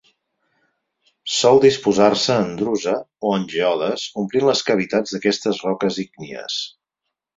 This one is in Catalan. Sol disposar-se en drusa o en geodes omplint les cavitats d'aquestes roques ígnies.